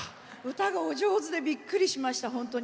歌がお上手でびっくりしましたほんとに。